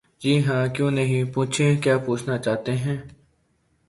جی ہاں کیوں نہیں...پوچھیں کیا پوچھنا چاہتے ہیں؟